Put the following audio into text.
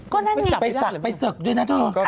ก็นั่นอย่างนี้ไปศักดิ์ด้วยนะทุกอย่างก็ไปศักดิ์ไปศักดิ์ด้วยนะ